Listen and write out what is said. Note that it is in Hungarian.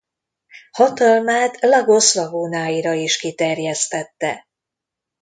Hatalmát Lagos lagúnáira is kiterjesztette.